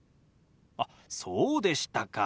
あっそうでしたか。